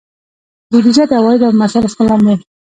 بودجه د عوایدو او مصارفو پلان دی